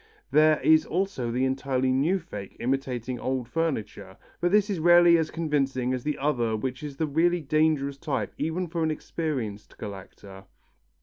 There is also the entirely new fake imitating old furniture, but this is rarely as convincing as the other which is the really dangerous type even for an experienced collector.